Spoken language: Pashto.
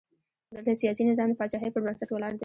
دلته سیاسي نظام د پاچاهۍ پر بنسټ ولاړ دی.